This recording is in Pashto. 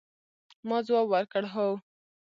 ما ځواب ورکړ، هو.